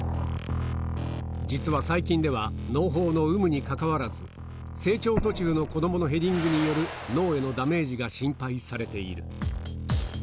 実は最近ではのう胞の有無にかかわらず、成長途中の子どものヘディングによる脳へのダメージが心配されている。